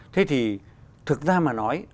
thế thì thực ra mà nói